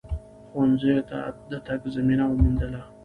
ښونځیو ته د تگ زمینه وموندله